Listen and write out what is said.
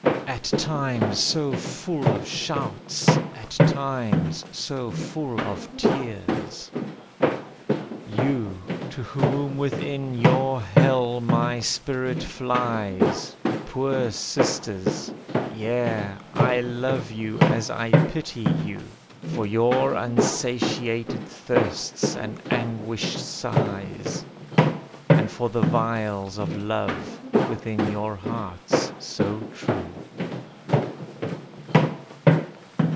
At times so full of shouts, at times so full of tears! You, to whom within your hell my spirit flies, Poor sisters yea, I love you as I pity you, For your unsatiated thirsts and anguished sighs, And for the vials of love within your hearts so true.